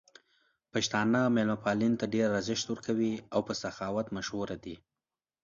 پښتانه مېلمه پالنې ته ډېر ارزښت ورکوي او په سخاوت مشهور دي.